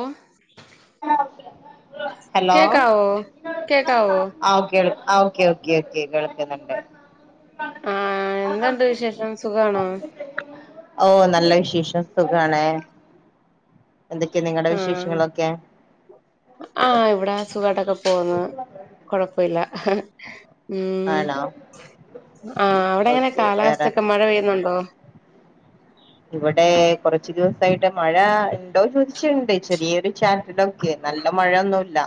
ഉം ഹലോ കേക്കാവോ കേക്കാവോ ആഹ് ഓക്കെ ഓക്കെ ക്കെ ക്കെ കേൾക്കുന്നുണ്ട് ആഹ് എന്തണ്ട് വിശേഷം സുഖാണോ ഓഹ് നല്ല വിശേഷം സുഖാണ് എന്തൊക്കെ നിങ്ങടെ ആഹ് വിശേഷങ്ങളൊക്കെ ആഹ് ഇവിടെ സുഖട്ടൊക്കെ പോന്ന് കൊഴപ്പില്ല ഉം ആണോ ആഹ് അവിടെ ങ്ങനെ ഓക്കെ വേറെ കാലാവസ്ഥൊക്കെ മഴ പെയ്യുന്നുണ്ടോ ഇവിടെ കുറച്ചു ദിവസായിട്ട് മഴ ണ്ടോ ചോദിച് ച്ണ്ട് ചെറിയൊരു ചാറ്റലോക്കെ നല്ല മഴയൊന്നുല്ല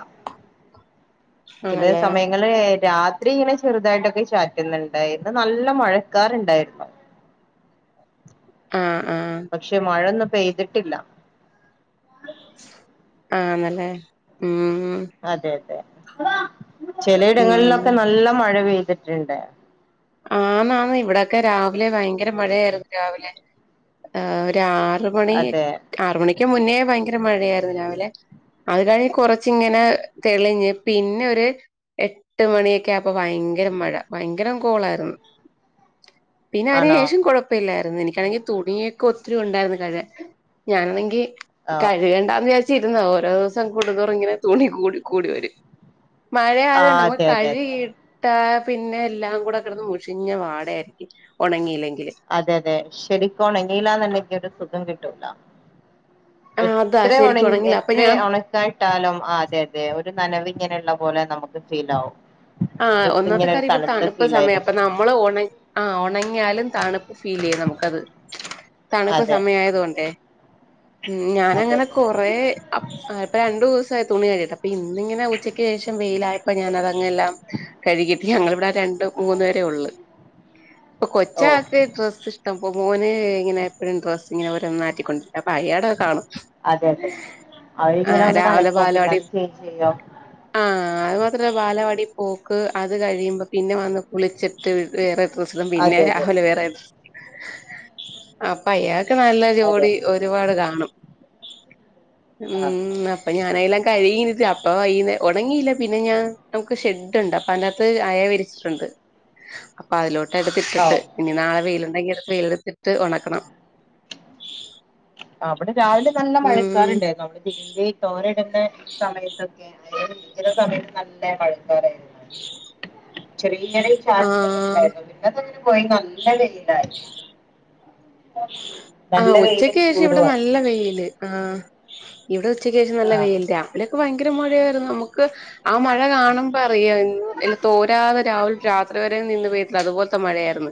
ചിലെ ആണല്ലേ സമയങ്ങള് രാത് ഇവിടെ ഇങ്ങനെ ചെറുതായിട്ടൊക്കെ ചാറ്റുന്നുണ്ടായിരുന്നു നല്ല മഴക്കാറണ്ടായിരുന്നു ആഹ് ആഹ് പക്ഷെ മഴൊന്നും പെയ്തിട്ടില്ല ആന്നല്ലേ ഉം ഉം അതെ അതെ ഉം ചിലയിടങ്ങളിലൊക്കെ നല്ല മഴ പെയ്തിട്ടുണ്ട് ആന്നാണ് ഇവിടെക്കെ രാവിലെ ഭയങ്കര മഴയായിരുന്നു രാവിലെ ഏഹ് ഒരു ആ റ് മണി അതെ ആറ് മണിക്ക് മുന്നേ ഭയങ്കര മഴയായിരുന്നു രാവിലെ അത് കഴിഞ്ഞ് കൊറച്ചിങ്ങനെ തെളിഞ്ഞ് പിന്നെ ഒരു എട്ട് മണിയൊക്കെ ആപ്പോ ഭയങ്കര മഴ ഭയങ്കര കോളാരുന്ന് പിന്നെ അതിന് ആണോ ശേഷംകൊഴ പ്പല്ലായിരുന്നു എനിക്കാണെങ്കി തുണിയൊക്കെ ഒത്തിരി ഉണ്ടായിരുന്നു കഴുവാൻ ഞാനാണെങ്കി ഓ കഴുകേണ്ടാ വിചാച്ചിര്ന്ന ഓരോ ദിവസം കൂടുംതോറുംങ്ങനെ തുണി കൂടി കൂടി വരും മഴ ആഹ് ആതുണ്ട് നമ്മ അതെ അതെ അതെ കഴിട്ട പിന്നെ എല്ലാം കൂടെകിടന്ന് മുഷിഞ്ഞ വാട ആയിരിക്കും ഉണങ്ങിയില്ലെങ്കില് അതെ അതെ ശരിക്കോണ ങ്ങീ ലാന്നണ്ടെങ്കി ഒരു സുഖം കിട്ടൂല ആ അതാ ശരിക്കും എത്രവോണങ്ങി ഉണങ്ങില്ല അപ്പൊ എത്ര ഞാൻ ഒണ കാൻ ട്ടാലും ആഹ് അതെ അതെ ഒരു നനവി ങ്ങനെള്ള പോലെ നമുക്ക് ഫീൽ ആവും ആഹ് ഡ്രസ്സ് ഒന്നാത്തെ ഇങ്ങനെ ഒരു കര്യപ്പോ തണുത്ത തണുപ്പ് ഫീൽ സമയം പ്പ ആയിരിക്കും നം മ്മള്ണ ഒണ ആഹ് ഒണങ്ങിയാലും തണുപ്പ് ഫീലെയ്യും നമുക്കത് തണുപ്പ് അതെ സമയായതോണ്ടേ ഉം അതെ അതെ ഞാനങ്ങനെ കൊറേ അതെ അപ് ഇപ്പൊ രണ്ടൂസയി തുണി കഴിയിട്ട് അപ്പൊ ഇന്നിങ്ങനെ ഉച്ചക്ക് ശേഷം വെയില ആയപ്പോ ഞാന അതങ്ങ കഴുകിട്ട് ഞങ്ങളിവിടെ രണ്ട മൂന്ന് പേരെ ഉള്ളു ഇപ്പൊ കൊച്ച ഓ ട്ട് ഡ്രസ്ഷ്ടമ്പോലെ ഇങ്ങനെപ്പഴും ഡ്രസ് ങ്ങനെ ഒരേ മാറ്റിക്കൊണ്ട പയ്യട കാണും അതെ അതെ അവരിങ്ങനെ ആഹ് ഒന്ന് രാവിലെ നനക്കും പിന്നെ പാലവാടി അത് ചേഞ്ച് ചെയ്യും ആഹ് അത് മാത്രല്ല ബാലവാടി പോക്ക് അത് കഴിയുമ്പോ പിന്നെ വന്ന് കുളിച്ചി ട്ട് വേറെഡ്രസ്സ്‌ ടും പിന്നെ അതെ അതെ രാവിലെ വേറെ ഡ്രസ്സ് അപ്പൊ അയാൾക്ക് നല്ല അതെ ജോടി ഒരുപാട് കാണും ആഹ് ഉം അപ്പൊ ഞാനെല്ലാം കഴിയിണ്ത് അപ്പ വൈന്നെ ഉടങ്ങിയില്ല പിന്നെ ഞാൻ നമുക്ക് ഷെ ട്ടുണ്ട് പ്പനത്ത് അയെ വിരിച്ചിട്ടുണ്ട് അപ്പൊ അതിലോട്ട് ആഹ് എടുത്തിട്ടിട്ട് ഓ ഇനി നാളെ വെയിലുണ്ടെങ്കിൽ വെയിലത്തിട്ട് ഉണക്കണം അഹ് ഇവിടെ രാവിലെ നല്ല മഴക്കാർ ഉം ണ്ടായിരുന്നു അവിടെ തിരുമ്പി തോരൻ ഇടുന്ന ഈ സമയത്തൊക്കെ അത് ഉചിത സമയത്ത് നല്ല മഴക്കാറാരുന്നു. ചെറിയ ചെറിയ ചാറ്റലങ്ങനെ ആഹ് ഉണ്ടായിരുന്നു, പിന്നത്ത അങ്ങനെ പോയി നല്ല വെയിലായി. ആഹ് നല്ല ഉച്ചക്ക് വെയിലും ശേഷം ഇവിടെ ചൂടുമായി നല്ല വെയിൽ ആഹ് ഇവിടെ ഉച്ചക്ക് ശേഷം നല്ല വെയിലാ ഇവലൊക്കെ ഭയങ്കര മഴയായിരുന്നു, നമുക്ക് ആഹ് മഴ കാണുമ്പോ അറിയാ എല്ല തോരാതെ രാവിൽ രാത്രി വരെ നിന്ന് പോയ്തില്ലേ, അതുപോലത്തെ മഴയായിര്ന്ന്.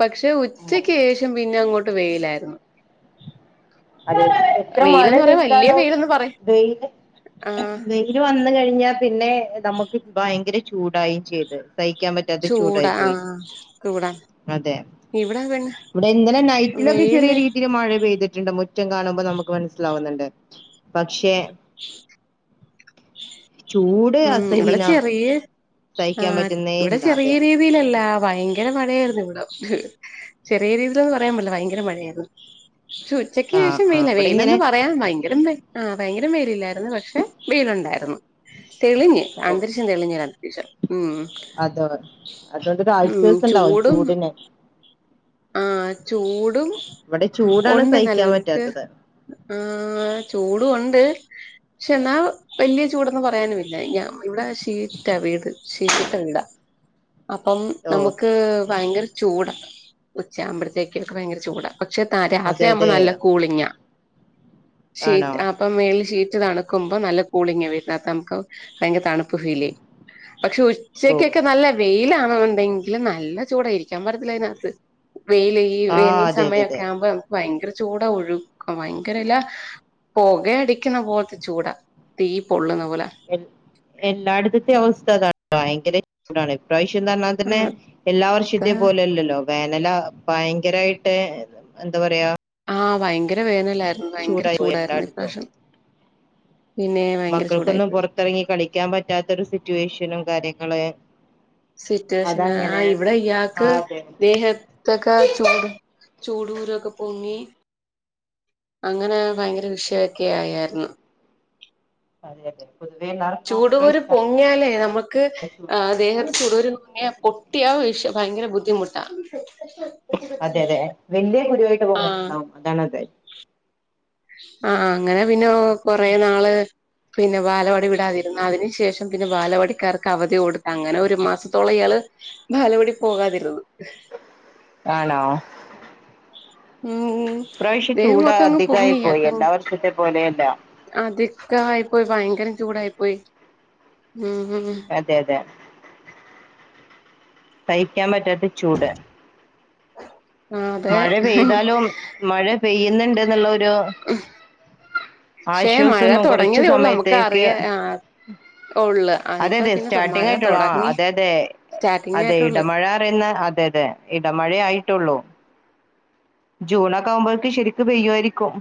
പക്ഷെ ഉം. ഉച്ചക്ക് ശേഷം പിന്നെ അങ്ങോട്ട് വെയ്ലായിരുന്നു. അതേ എത്ര മഴ പെയ്താലും വെയിലന്ന് പറയാ വെയില് ആഹ് വെയി ഇര് വന്ന് കഴിഞ്ഞാ പിന്നെ നമുക്ക് ഭയങ്കര ചൂടായും ചെയ്ത്. സഹിക്കാൻ പറ്റാത്ത ചൂട ചൂടായി പോയി. ആഹ് ചൂടാ അതെ ഇവിടെ പിന്നെ ഇവിടെ ഇന്നലെ നൈറ്റിലൊക്കെ ചെറിയ വെയില് രീതിയില് മഴ പെയ്തിറ്റ്ണ്ട്. മുറ്റം കാണുമ്പ നമുക്ക് മനസ്സിലാവുന്ന്ണ്ട് പക്ഷേ. ചൂട് ഉം ഇവിടെ അസഹിനം ചെറിയ സഹിക്കാൻ പറ്റുന്നേ ഇല്ല അതെ. രീതിലല്ല ഭയങ്കര മഴയായിര്ന്ന് ഇവിടെ. ചെറിയ രീതിലെന്ന് പറയാൻ പറ്റ്ല്ല. ഭയങ്കര മഴയായിര്ന്നു. ഉച്ചക്ക് ആ ശേഷം ആ വെയിലാ. ഇവിടെ വെയിലെന്ന് ഇങ്ങനെ പറയാൻ ഭയങ്കരം ആ ഭയങ്കര വെയിലില്ലായിരുന്നു. പക്ഷേ വെയിലുണ്ടായിരുന്നു. തെളിഞ്ഞ് ഓ അന്തരീക്ഷം തെളിഞ്ഞ് ഒരു അന്തരീക്ഷം ഉം അതെ അതുകൊണ്ടൊരു ഉം ആശ്വാസം ഉണ്ടാവും ചൂടും ചൂടിന് ആഹ് ചൂടും ഇവിടെ ചൂടാണ് ഉണ്ടെന്നാല് സഹിക്കാൻ നമുക്ക് പറ്റാത്തത് ആഹ് ചൂടു ഉണ്ട്. പക്ഷേ ഇന്നാ വല്യ ചൂടെന്ന് പറയാനുല്ല. ഞാൻ ഇവിടെ ഷീറ്റാ വീട്. ഷീറ്റിട്ട വീടാ. അപ്പം ഓ നമുക്ക് ഭയങ്കര ചൂടാ. ഉച്ച ആകുമ്പഴത്തേക്ക് ഭയങ്കര ചൂടാ. പക്ഷെ അതെ തരാത്രിയാകുമ്പോ അതെ നല്ല കൂളിങാ. ആണോ ഷീറ്റ് അപ്പം മേൽ ഷീറ്റ് തണുക്കുമ്പം നല്ല കൂളിങാ വരുന്നത്. അതംക്ക് ഭയങ്കര തണുപ്പ. പ്പ് ഫീല്. പക്ഷെ ഓ ഉച്ചക്കൊക്കെ നല്ല വെയിലാണെന്നുണ്ടെങ്കി ഇല്ല നല്ല ചൂടാ. ഇരിക്കാൻ പറ്റത്തില്ല അതിനകത്ത്. വെയില. ഈ ആ വേനൽ അതെ അതെ അതെ സമയൊക്കെ ആവുമ്പം. ഭയങ്കര ചൂടാ ഒഴുക്ക് ഭയങ്കരല. പൊക അടിക്കുന്ന പോലത്തെ ചൂടാ തീ പൊള്ളുന്ന പോലെ. എൽ എല്ലായിട്ത്തത്തെ അവസ്ഥ ഇതാണ് ഭയങ്കര ചൂടാണ്. ഇപ്രാവശ്യന്ന് പറ്ഞ്ഞാ പിന്നെ അതാ എല്ലാവർഷത്തെ പോലെ അല്ലല്ലോ. വേനല ഭയങ്കരായിട്ട് എന്താ പറയാ ആഹ് ഭയങ്കര വേനല. ഭയങ്കര ചൂടായി പോയി ചൂടായിരുന്നു എല്ലായിടത്തും ഇപ്രവശ്യം, പിന്നെ ഭയങ്കര ചൂടായിപ്പോയി. എറങ്ങി കളിക്കാൻ പറ്റാത്തൊരു സിറ്റുവേഷനും കാര്യങ്ങള് സിറ്റുവേഷന് അതങ്ങനെ ആഹ് ഇവിടെ ആ ഇയാക്ക് അതെ ദേഹ ത്തൊക്കെ ചൂട് ചൂടുകുരൊക്കെ പൊങ്ങി. അങ്ങനെ ഭയങ്കര വിഷയൊക്കെ ആയായിര്ന്നു. അതെ അതെ പൊതുവെ എല്ലാവർക്കും ചൂടുകുരു ഇപ്രാവശ്യം പൊങ്ങ്യാലേ നമുക്ക് ദേഹ ചൂടുകുരു പൊങ്ങ്യ പൊട്ട്യ വിഷ ഭയങ്കര ബുദ്ധിമുട്ടാ. അതെ അതെ വല്യ കുരുവായിട്ട് ആഹ് പോങ്ങുന്നുണ്ടാവും അതാണ് അത്. ആഹ് അങ്ങനെ പിന്നെ കൊറെ നാള് പിന്നെ ബാലവാടി വിടാതിരുന്നാതിരി. അതിന് ശേഷം പിന്നെ ബാലവാടിക്കാർക്ക് അവധി കൊടുത്ത് അങ്ങനെ ഒരു മാസത്തോള ഇയാള് ബാലവാടി പോകാതിരുന്ന്. ആണോ ഉം ഇപ്രാവശ്യം ദേഹം ചൂട് മൊത്തം അങ്ങ് അധികായി പോയി. എല്ലാവർഷത്തെ പോലെയല്ല. അധിക്കം ആയി പോയി. ഭയങ്കരം ചൂടായി പോയി ഉം. അതെ അതെ സഹിക്കാൻ പറ്റാത്ത ചൂട്. അതെ മഴ പെയ്താലും മഴ പെയ്യുന്ന്ണ്ട് ഇന്നുള്ളൊരു പക്ഷേ മഴ കുറച്ച് തൊടങ്ങിയതേ ഒള്ളൂ അമ്മക്ക് സമയത്തേക്ക് അറിയാ ആഹ് ഒള്ള് അതെ അതിപ്പ അതെ പിന്നെതൊ സ്റ്റാർട്ടിങ് മഴ ആയിട്ടുള്ളൂ ആ തൊടങ്ങി അതെ അതെ സ്റ്റാർട്ടിങ് അതെ ആയിട്ടുള്ളൂ ഇടമഴറയ്ന്നേ അതെ അതെ ഇടമഴയായിട്ടൊള്ളൂ ജൂണൊക്കെ ആമ്പോഴേക്ക് ശെരിക്ക് പെയ്യുവാരിക്കും